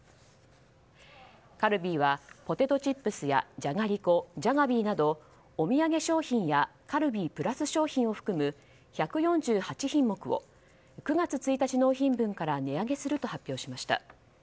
カルビーはポテトチップスやじゃがりこＪａｇａｂｅｅなどお土産商品やカルビープラス商品を含む１４８品目を９月１日納品分から値上げすると発表しました。